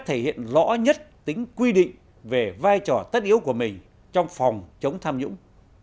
báo chí sẽ thể hiện lõ nhất tính quy định về vai trò tất yếu của mình trong phòng chống tham nhũng